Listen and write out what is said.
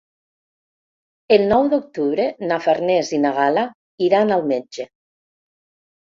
El nou d'octubre na Farners i na Gal·la iran al metge.